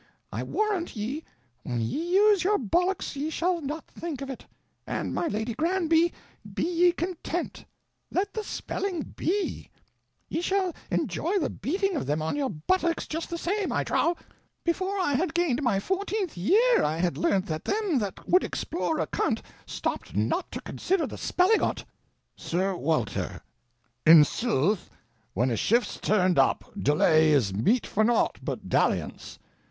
I warrant Ye when ye use your bollocks ye shall not think of it; and my Lady Granby, be ye content; let the spelling be, ye shall enjoy the beating of them on your buttocks just the same, I trow. Before I had gained my fourteenth year I had learnt that them that would explore a cunt stop'd not to consider the spelling o't.' Sr W. In sooth, when a shift's turned up, delay is meet for naught but dalliance.